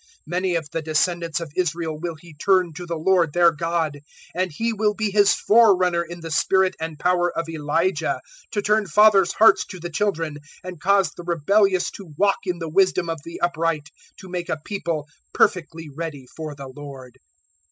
001:016 Many of the descendants of Israel will he turn to the Lord their God; 001:017 and he will be His forerunner in the spirit and power of Elijah, to turn fathers' hearts to the children, and cause the rebellious to walk in the wisdom of the upright, to make a people perfectly ready for the lord."